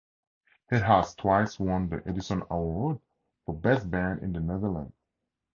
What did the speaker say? It has twice won the Edison Award for "Best Band" in the Netherlands.